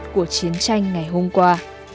của chiến tranh ngày hôm qua